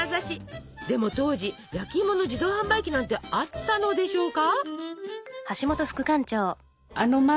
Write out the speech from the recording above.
でも当時焼きいもの自動販売機なんてあったのでしょうか？